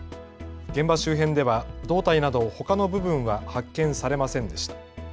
現場周辺では胴体など、ほかの部分は発見されませんでした。